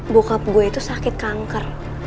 bokap gue itu sakit kanker